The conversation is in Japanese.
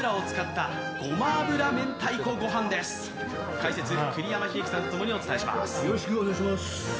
解説、栗山英樹さんと共にお伝えします。